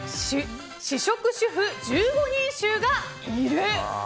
試食主婦１５人衆がいる。